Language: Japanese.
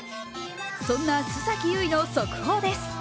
そんな須崎優衣の速報です。